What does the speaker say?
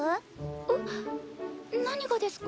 えっ？何がですか？